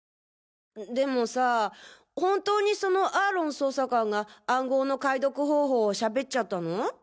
でもさぁ本当にそのアーロン捜査官が暗号の解読方法を喋っちゃったの？